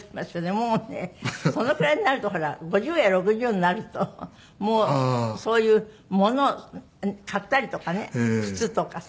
もうねそのくらいになるとほら５０や６０になるともうそういう物を買ったりとかね靴とかさ